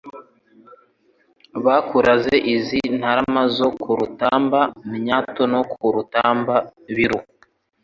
Bakuraze izi ntarama, Zo ku Rutamba-myato no ku Rutamba-biru*